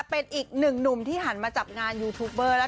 เป็นอีกหนึ่งหนุ่มที่หันมาจับงานยูทูปเบอร์แล้ว